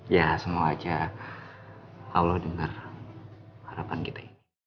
ya semua aja kalau dengar harapan kita